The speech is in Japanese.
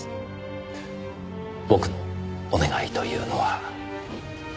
僕のお願いというのは。